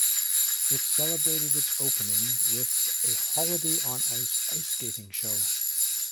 It celebrated its opening with a "Holiday on Ice" ice skating show.